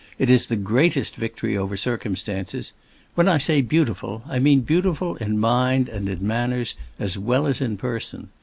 It is the greatest victory over circumstances. When I say beautiful, I mean beautiful in mind and in manners, as well as in person.